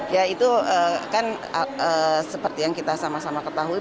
ya itu kan seperti yang kita sama sama ketahui